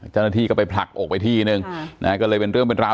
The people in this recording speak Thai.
อ๋อเจ้าสีสุข่าวของสิ้นพอได้ด้วย